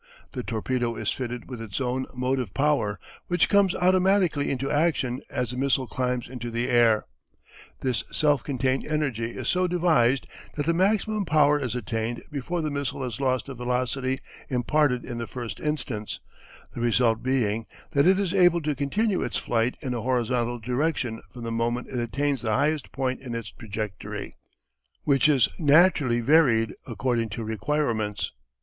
The torpedo is fitted with its own motive power, which comes automatically into action as the missile climbs into the air. This self contained energy is so devised that the maximum power is attained before the missile has lost the velocity imparted in the first instance, the result being that it is able to continue its flight in a horizontal direction from the moment it attains the highest point in its trajectory, which is naturally varied according to requirements.